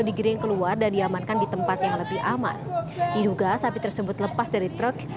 digiring keluar dan diamankan di tempat yang lebih aman diduga sapi tersebut lepas dari truk